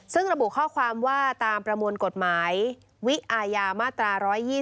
ซึ่งระบุข้อความว่าตามประมวลกฎหมายวิอาญามาตรา๑๒๐